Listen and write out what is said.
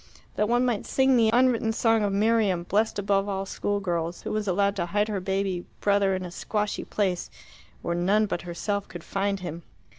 That one might sing the unwritten song of Miriam, blessed above all school girls, who was allowed to hide her baby brother in a squashy place, where none but herself could find him!